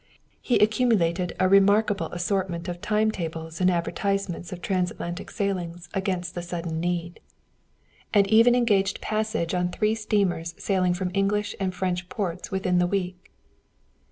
He accumulated a remarkable assortment of time tables and advertisements of transatlantic sailings against sudden need, and even engaged passage on three steamers sailing from English and French ports within the week.